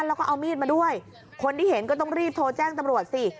แล้วก็เอามีดมาด้วยคนที่เห็นก็ต้องรีบโทรแจ้งตำรวจสิ